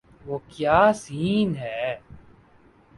وہ کیا سین ہے۔